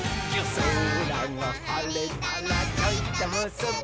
「そらがはれたらちょいとむすび」